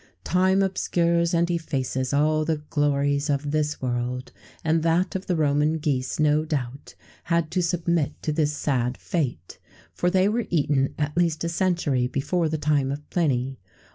time obscures and effaces all the glories of this world; and that of the Roman geese, no doubt, had to submit to this sad fate,[XVII 65] for they were eaten at least a century before the time of Pliny.